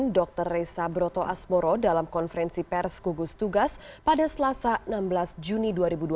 dr resa broto asmoro dalam konferensi pers gugus tugas pada selasa enam belas juni dua ribu dua puluh